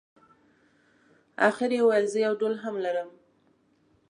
اخر یې وویل زه یو ډول هم لرم.